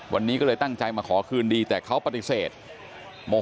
วันนี้ก็เลยตั้งใจมาขอคืนดีแต่เขาปฏิเสธโม